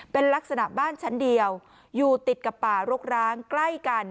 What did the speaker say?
เป็นลักษณะบ้านชั้นเดียวอยู่ติดกับป่ารกร้างใกล้กัน